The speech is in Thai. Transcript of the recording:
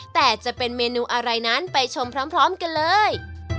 แต่จะเป็นเมนูอะไรนั้นไปชมพร้อมกันเลย